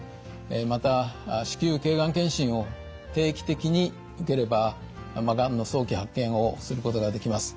また子宮頸がん検診を定期的に受ければがんの早期発見をすることができます。